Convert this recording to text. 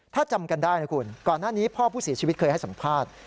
ถ้าจำกันได้นะคุณก่อนหน้านี้พ่อผู้เสียชีวิตเคยให้สัมภาษณ์